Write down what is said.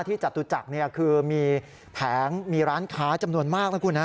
จตุจักรคือมีแผงมีร้านค้าจำนวนมากนะคุณนะ